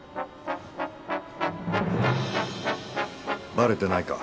バレてないか？